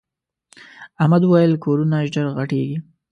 احمد وويل: کورونه ژر غټېږي.